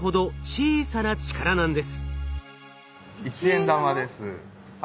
１円玉です。